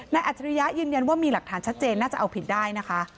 อัจฉริยะยืนยันว่ามีหลักฐานชัดเจนน่าจะเอาผิดได้นะคะ